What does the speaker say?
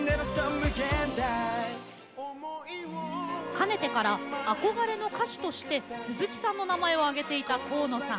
かねてから、憧れの歌手として鈴木さんの名前を挙げていた河野さん。